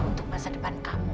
untuk masa depan kamu